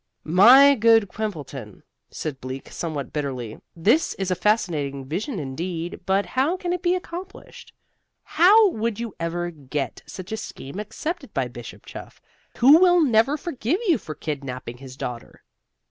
"My good Quimbleton," said Bleak, somewhat bitterly, "this is a fascinating vision indeed, but how can it be accomplished? How would you ever get such a scheme accepted by Bishop Chuff, who will never forgive you for kidnaping his daughter?